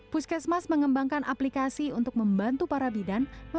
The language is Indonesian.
puskesmas menjadi ujung tombak perang